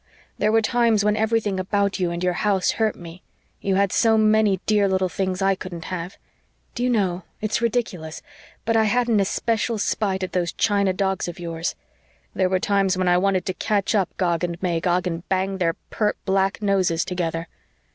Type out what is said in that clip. There were times when everything about you and your house hurt me. You had so many dear little things I couldn't have. Do you know it's ridiculous but I had an especial spite at those china dogs of yours. There were times when I wanted to catch up Gog and Magog and bang their pert black noses together!